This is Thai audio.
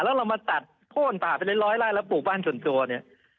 แล้วเรามาตัดโค้นป่าเป็นร้อยไล่แล้วปลูกบ้านส่วนตัวเนี่ย